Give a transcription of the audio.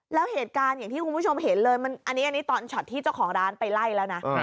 แล้วเหตุการณ์อย่างที่คุณผู้ชมเห็นเลยอันนี้ตอนช็อตที่เจ้าของร้านไปไล่แล้วนะ